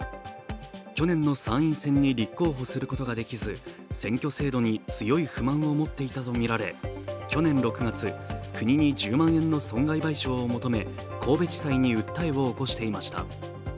去年の参院選に立候補することができず選挙制度に強い不満を持っていたとみられ去年６月、国に１０万円の損害賠償を求め、神戸地裁に訴えを起こしていました。